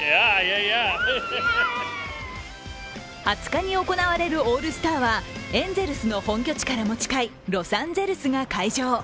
２０日に行われるオールスターはエンゼルスの本拠地からも近いロサンゼルスが会場。